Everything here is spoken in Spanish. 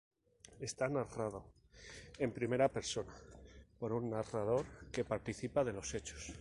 Está narrado en primera persona por un narrador que participa de los hechos.